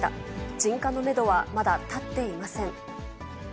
鎮火のメドはまだ立っていません。